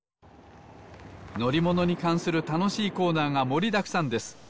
のりものにかんするたのしいコーナーがもりだくさんです。